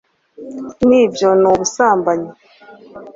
na byo ni ubusambanyi